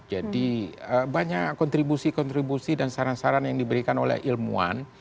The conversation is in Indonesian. jadi banyak kontribusi kontribusi dan saran saran yang diberikan oleh ilmuwan